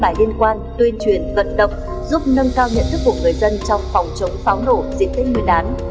đăng các tin bài liên quan tuyên truyền vận động giúp nâng cao nhận thức của người dân trong phòng chống pháo nổ diễn thấy người đán